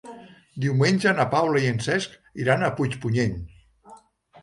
Diumenge na Paula i en Cesc iran a Puigpunyent.